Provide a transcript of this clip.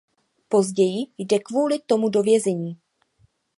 Později jde kvůli tomu do vězení.